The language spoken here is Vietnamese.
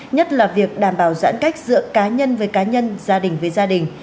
nhất là việc đảm bảo giãn cách giữa cá nhân với cá nhân gia đình với gia đình